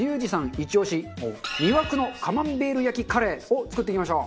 イチ押し魅惑のカマンベール焼きカレーを作っていきましょう。